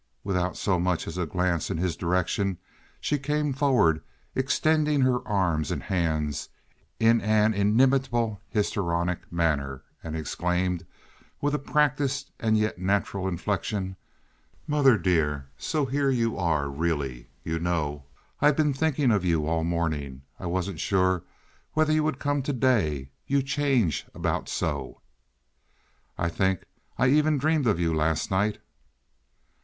Without so much as a glance in his direction she came forward, extending her arms and hands in an inimitable histrionic manner, and exclaimed, with a practised and yet natural inflection: "Mother, dear! So here you are really! You know, I've been thinking of you all morning. I wasn't sure whether you would come to day, you change about so. I think I even dreamed of you last night."